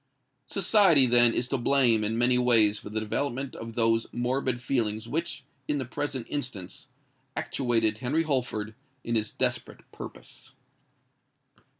Society, then, is to blame in many ways for the development of those morbid feelings which, in the present instance, actuated Henry Holford in his desperate purpose.